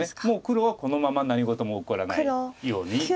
もう黒はこのまま何事も起こらないように。